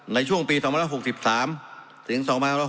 ในช่วงปี๑๙๖๓ถึง๑๙๖๔